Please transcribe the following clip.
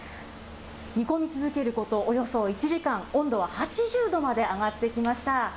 煮込み続けることおよそ１時間、温度は８０度まで上がってきました。